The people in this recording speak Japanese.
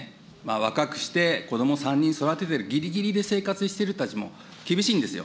若くして子ども３人育ててる、ぎりぎりで生活している人たちも厳しいんですよ。